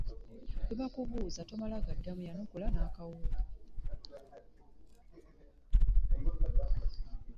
Bwe bakubuuza, tomala gaddamu, yanukula n'akawoowo.